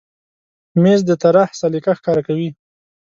مېز د طراح سلیقه ښکاره کوي.